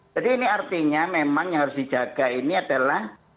jadi ini artinya memang yang harus dijaga ini adalah